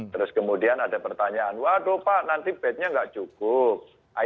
terus kemudian ada pertanyaan waduh pak nanti bednya nggak cukup